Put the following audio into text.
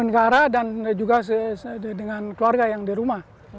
negara dan juga dengan keluarga yang di rumah